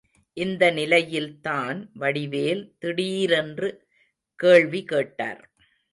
இந்த நிலையில்தான் வடிவேல் திடீரென்று கேள்வி கேட்டார்.